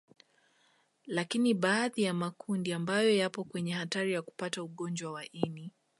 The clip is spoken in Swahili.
Lakini baadhi ya makundi ambayo yapo kwenye hatari ya kupata ugonjwa wa ini